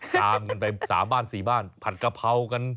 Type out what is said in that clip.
ตามกันไป๓บ้าน๔บ้านผัดกะเพรากัน